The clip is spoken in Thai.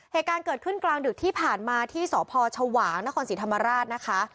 เหตุการณ์เกิดขึ้นกลางดึกที่ผ่านมาที่สพชวางนครศรีธรรมราชนะคะ